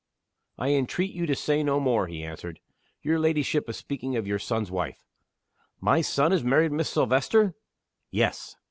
"I entreat you so say no more," he answered. "Your ladyship is speaking of your son's wife." "My son has married Miss Silvester?" "Yes."